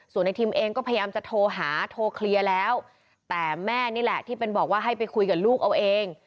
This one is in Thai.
ส่วนในทิมเองก็พยายามจะโทรหาโทรเคลียร์แล้วแต่แม่นี่แหละที่เป็นบอกว่าให้ไปคุยกับลูกเอาเอง